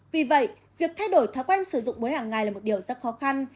vì vậy việc thay đổi thói quen sử dụng mối hàng ngày là một điều rất khó khăn